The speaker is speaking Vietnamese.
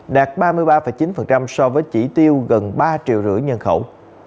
đạt ba mươi ba chín so với chỉ tiêu gần ba triệu rưỡi nhân khẩu